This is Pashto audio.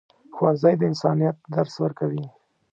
ښوونځی د انسانیت درس ورکوي.